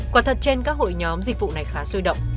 quả thật trên các hội nhóm dịch vụ này khá sôi động